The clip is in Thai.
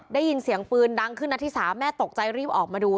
ได้ยินเสียงปืนดังขึ้นนัดที่๓แม่ตกใจรีบออกมาดู